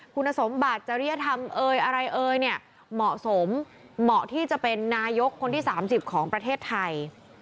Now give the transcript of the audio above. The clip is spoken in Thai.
คุณสมบัติจริยธรรมเอ่ยอะไรเอ่ยเนี่ยเหมาะสมเหมาะที่จะเป็นนายกคนที่๓๐ของประเทศไทย